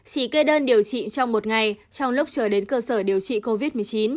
chỉ kê đơn điều trị trong một ngày trong lúc chờ đến cơ sở điều trị covid một mươi chín